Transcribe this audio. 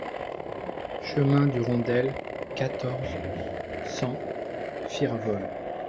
Chemin du Rondel, quatorze, cent Firfol